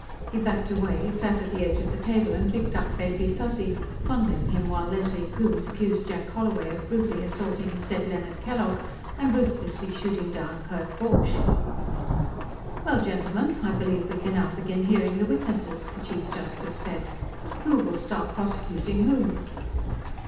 He backed away, sat on the edge of the table and picked up Baby Fuzzy, fondling him while Leslie Coombes accused Jack Holloway of brutally assaulting the said Leonard Kellogg and ruthlessly shooting down Kurt Borch. "Well, gentlemen, I believe we can now begin hearing the witnesses," the Chief Justice said. "Who will start prosecuting whom?"